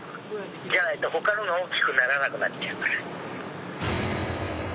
じゃないとほかのが大きくならなくなっちゃうから。